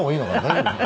大丈夫？